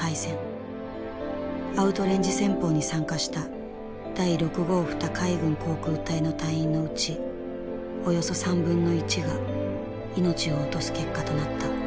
アウトレンジ戦法に参加した第六五二海軍航空隊の隊員のうちおよそ３分の１が命を落とす結果となった。